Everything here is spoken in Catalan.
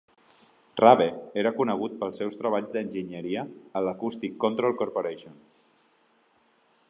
Rabe era conegut pels seus treballs d'enginyeria a l'Acoustic Control Corporation.